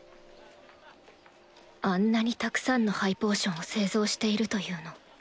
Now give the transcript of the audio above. あんなにたくさんのハイポーションを製造しているというの？